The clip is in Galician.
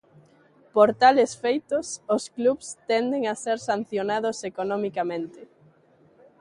Por tales feitos os clubs tenden a ser sancionados economicamente.